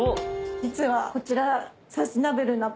実はこちら。